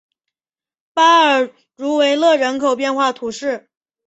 巴尔茹维勒人口变化图示